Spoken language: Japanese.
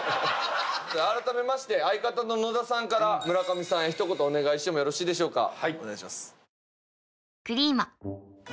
改めまして相方の野田さんから村上さんへひと言お願いしてもよろしいでしょうか？